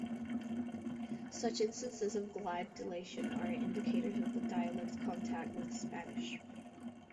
Such instances of glide deletion are indicators of the dialect's contact with Spanish.